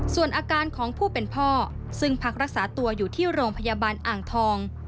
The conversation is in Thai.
ส่วนอาการของผู้เป็นพ่อซึ่งพักรักษาตัวอยู่ที่โรงพยาบาลอ่างทอง